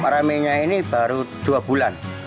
mula rame nya ini baru dua bulan